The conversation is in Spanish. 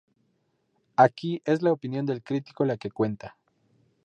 Aquí es la opinión del crítico la que cuenta.